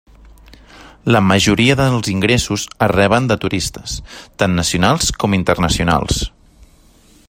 La majoria dels ingressos es reben de turistes, tant nacionals com internacionals.